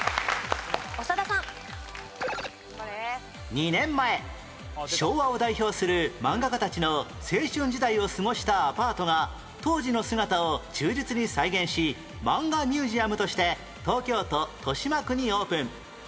２年前昭和を代表する漫画家たちの青春時代を過ごしたアパートが当時の姿を忠実に再現しマンガミュージアムとして東京都豊島区にオープン